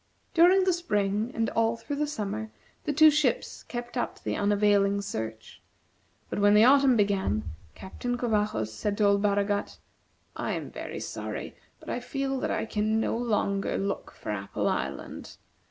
During the spring, and all through the summer, the two ships kept up the unavailing search, but when the autumn began, Captain Covajos said to old Baragat: "I am very sorry, but I feel that I can no longer look for Apple Island.